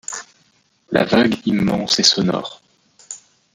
La vague immense et sonore